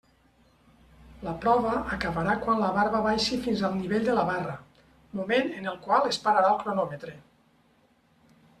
La prova acabarà quan la barba baixi fins al nivell de la barra, moment en el qual es pararà el cronòmetre.